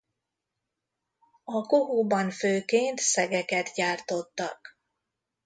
A kohóban főként szegeket gyártottak.